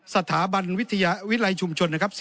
สถาบันวิทยาวิทยาวิทยาลัยชุมชน